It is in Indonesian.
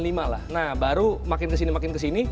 nah baru makin kesini makin kesini